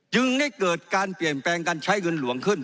จึงได้เกิดการเปลี่ยนแปลงการใช้เงินหลวงขึ้น